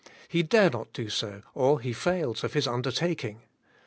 He dare not do so, or He fails of His under taking.